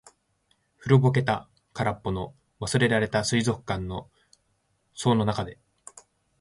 古ぼけた、空っぽの、忘れられた水族館の槽の中で。